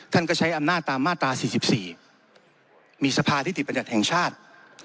ท่านก็ใช้อำนาจตามมาตรา๔๔มีสภานิติบัญญัติแห่งชาติ